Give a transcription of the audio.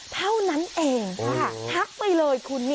เท่านั้นเองทักไปเลยคุณ